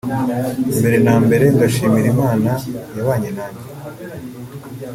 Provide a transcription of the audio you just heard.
Mbere na mbere ndashimira Imana yabanye nanjye